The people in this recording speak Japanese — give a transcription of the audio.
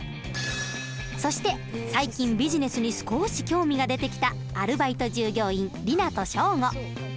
そして最近ビジネスに少し興味が出てきたアルバイト従業員莉奈と祥伍。